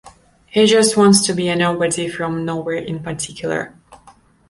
He just wants to be a nobody from "Nowhere in Particular".